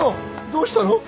どうしたの？